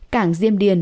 cảng diêm điền